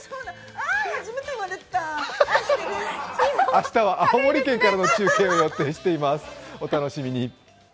明日は青森県からの中継を予定しています、お楽しみに。